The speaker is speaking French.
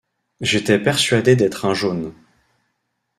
J'étais persuadé d'être un jaune.